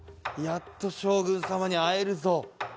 やっと将軍様に会えるぞ。